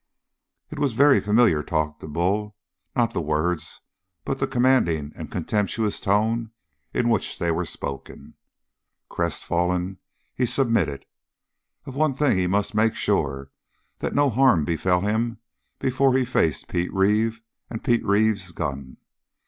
It was very familiar talk to Bull; not the words, but the commanding and contemptuous tone in which they were spoken. Crestfallen, he submitted. Of one thing he must make sure: that no harm befell him before he faced Pete Reeve and Pete Reeve's gun.